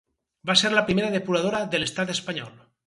Va ser la primera depuradora de l'estat espanyol.